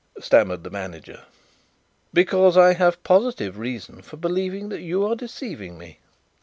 stammered the manager. "Because I have positive reason for believing that you are deceiving me."